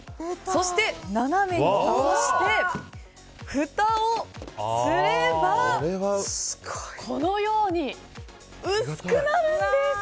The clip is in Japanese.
そして、斜めに倒してふたをすればこのように、薄くなるんです！